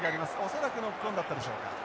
恐らくノックオンだったでしょうか。